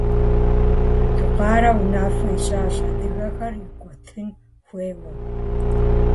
Тукъарэ унафэ ищӏащ адыгэхэр икӏуэтын хуейуэ.